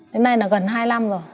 đến nay là gần hai năm rồi